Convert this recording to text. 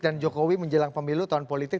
dan jokowi menjelang pemilu tahun politik